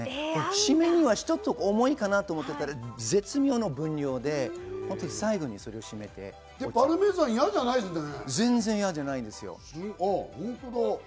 シメにはちょっと重いかなと思ってたら、絶妙な分量で、最後にそパルメザン、嫌じゃないですね。